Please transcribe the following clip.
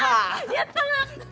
やったな！